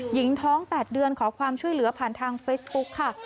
หญิงท้อง๘เดือนขอความช่วยเหลือผ่านทางเฟซบุ๊คค่ะ